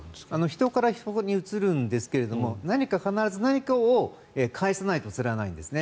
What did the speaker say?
人から人にうつるんですが必ず何かを介さないとうつらないんですね。